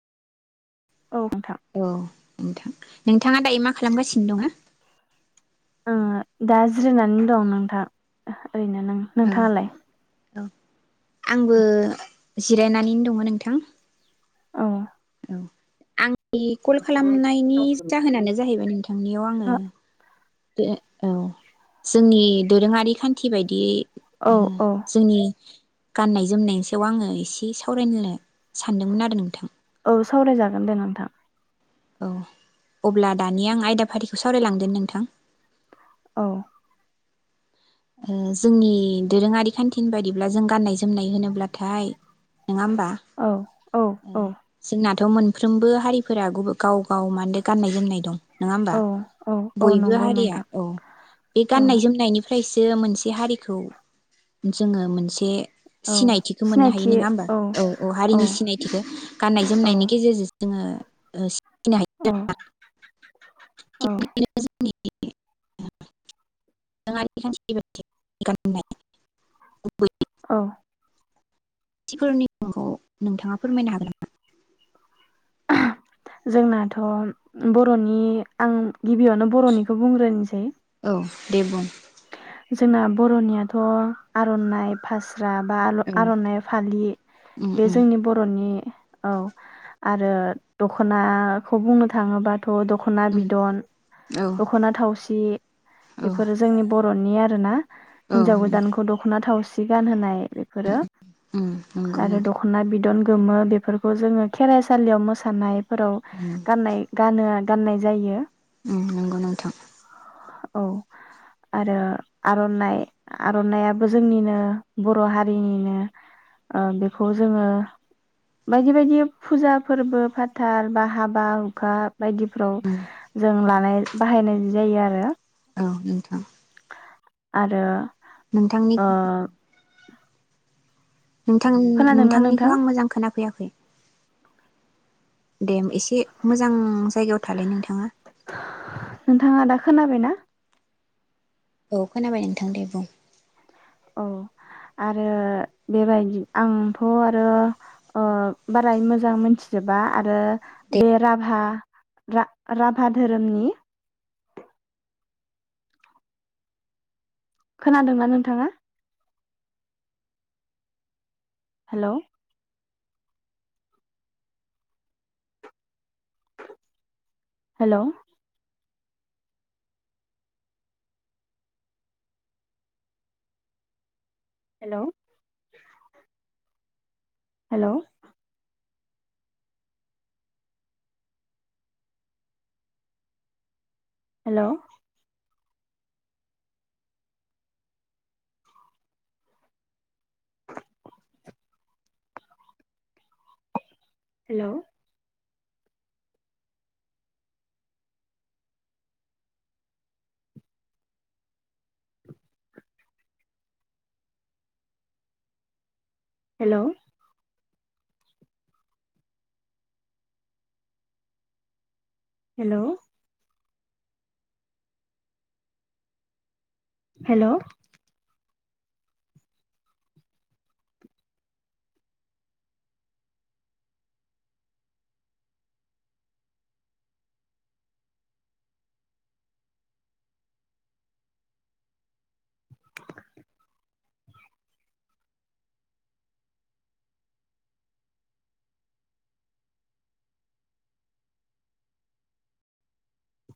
औ नोंथां औ नोंथां नोंथाङा दायो मा खालामगासिनो दङो? ओ दा जिरायनानै दं नोंथां। ओरैनो नों औ नोंथाङालाय? औ आंबो जिरायनानैनो दङ नोंथां। औ आं नि कल खालामनायनि जाहोनानो जाहैबाय नोंथांनियाव आङो ओ औ जोंनि दोरोङारि खान्थि बायदियै औ ओ औ जोंनि गाननाय जोमनायनि सायाव आङो इसे सावरायनोल सानदोंमोन आरो नोंथां औ सावराय जागोन दे नोंथां। औ अब्ला दानिया आं आयदाफारिखौ सावरायलांदोनि नोंथां। औ ओ जोंनि दोरोङारि खान्थिनि बायदिब्ला जों गान्नाय जोमनाय होनोब्लाथाय नङा होमबा औ औ औ थ मोनफ्रोमबो हारिफोरा गुबो गाव गाव माहोनो गाननाय जोमनाय दं। नोङा ओमबा औ औ औ बयबो नंगौ हारिया नोंथां औ बे औ गाननाय जोमनायनिफा फायसो मोनसे हारिखौ जोङो मोनसे औ सिनायथिखौ मोननो हायो सिनायथि नङा ओमबा औ औ हारिनि सिनायथिखौ गाननाय औ जोमनायनि गेजेरजों जोङो ओ सिनायनो औ औ [unintelligible] [unintelligible] औ थि फोरनि मुंखौ नोंथाङा फोरमायनो हागोन नामा? जोंनाथ' बर'नि आं गिबियावनो बर'निखौ बुंग्रोनिसै। औ दे बुं। जोंना बर'नियाथ आर'नाइ, फास फ्रा बा आल उम आर'नाइ फालि बे उम जोंनि बर'नि औ आरो दख'नाखौ बुंनो थाङोबाथ थ दख'ना उम बिदन, औ दखना थावसि औ बेफोर बर'नि आरोना? औ हिन्जाव नंगौ गोदानखौ दख'ना थावसि सि गानहोनाय। बेफोरो उम उम नंगौ आरो नोंथां दख'ना बिदन। गोमो बेफोरखौ जोङो खेराइसालियाव मोसानाय फोराव उम गाननाय गानो आन गाननाय जायो। उम नंगौ नोंथां। औ आरो आर'नाइ आर'नाइयाबो जोंनिनो बर' हारिनिनो ओ बेखौ जोङो बायदि बायदि फुजा फोरबो फाथाल बा हाबा हुखा बायदिफ्राव औ जों लानाय बाहायनाय जायो आरो औ नोंथां। आरो नोंथांनि ओ नोंथां खोनादोंना नोंथां नोंथांनिखौ आं मोजां खोनाफैयाखै। दे एसे मोजां जायगायाव थालाय नोंथाङा। नोंथाङा दा खोनाबायना? औ खोनाबाय नोंथां दे बुं। औ आरो बेबायदि आंथ' आरो ओ बारा मोजां मोनथिजोबा आरो दे बे राभा राभा धोरोमनि खोनादोंना नोंथाङा? Hello. Hello. Hello. Hello. Hello. Hello. Hello. Hello. Hello.